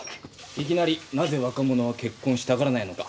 いきなり「なぜ若者は結婚したがらないのか」